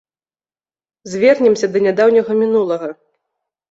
Звернемся да нядаўняга мінулага.